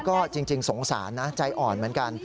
ก็จริงสงสารนะใจอ่อนเหมือนกัน